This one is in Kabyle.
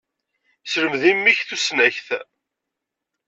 Selmed i mmi-k tusnakt.